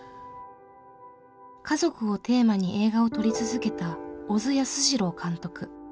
家族をテーマに映画を撮り続けた小津安二郎監督。